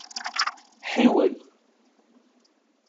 Ḥiwel.